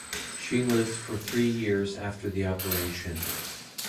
She lived for three years after the operation.